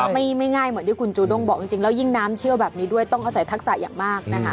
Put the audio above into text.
ไม่ง่ายเหมือนที่คุณจูด้งบอกจริงแล้วยิ่งน้ำเชี่ยวแบบนี้ด้วยต้องอาศัยทักษะอย่างมากนะคะ